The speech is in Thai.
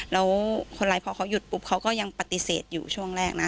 แล้วคนร้ายพอเขาหยุดปุ๊บเขาก็ยังปฏิเสธอยู่ช่วงแรกนะ